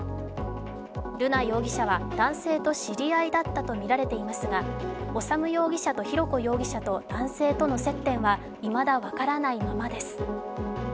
瑠奈容疑者は男性と知り合いだったとみられていますが、修容疑者と浩子容疑者と男性との接点は、いまだ分からないままです。